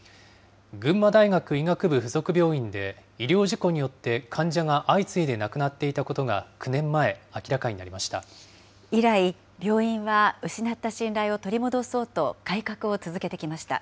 群馬大学医学部附属病院で、医療事故によって患者が相次いで亡くなっていたことが９年前、明以来、病院は失った信頼を取り戻そうと改革を続けてきました。